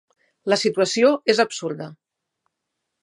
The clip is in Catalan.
La situació és absurda.